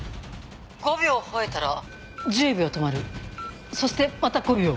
５秒吠えたら１０秒止まるそしてまた５秒。